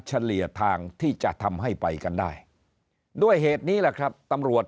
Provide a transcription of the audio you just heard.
เฉลี่ยทางที่จะทำให้ไปกันได้ด้วยเหตุนี้แหละครับตำรวจ